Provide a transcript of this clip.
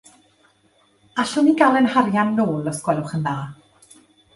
Allwn ni gael ein harian nôl os gwelwch yn dda.